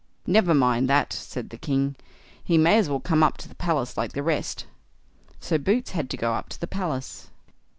"Never mind that", said the king; "he may as well come up to the palace like the rest." So Boots had to go up to the palace.